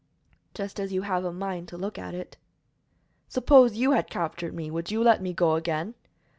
"Just as you have a mind to look at it." "Suppose you had captured me, would you let me go again?"